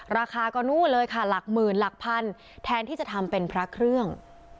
ราคาก็นู่นเลยค่ะหลักหมื่นหลักพันแทนที่จะทำเป็นพระเครื่อง